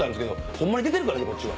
ホンマに出てるからねこっちは。